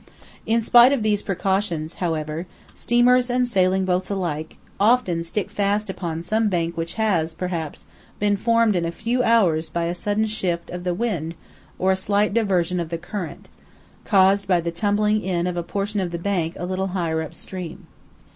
In spite of these precautions, however, steamers and sailing boats alike often stick fast upon some bank which has, perhaps, been formed in a few hours by a sudden shift of the wind or slight diversion of the current, caused by the tumbling in of a portion of the bank a little higher up stream.